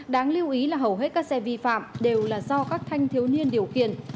đáng lưu ý là hầu hết các xe vi phạm đều là do các thanh thiếu niên điều khiển